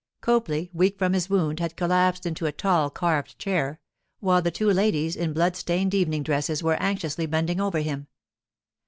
Copley, weak from his wound, had collapsed into a tall carved chair, while the two ladies, in blood stained evening dresses, were anxiously bending over him.